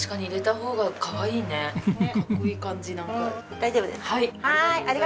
大丈夫ですか？